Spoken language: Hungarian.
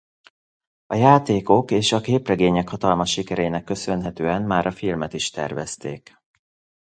A játékok és a képregények hatalmas sikerének köszönhetően már a filmet is tervezték.